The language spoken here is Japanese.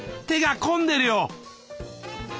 手が込んでるよ！